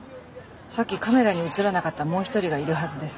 さっきカメラに映らなかったもう一人がいるはずです。